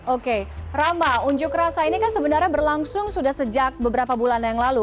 oke rama unjuk rasa ini kan sebenarnya berlangsung sudah sejak beberapa bulan yang lalu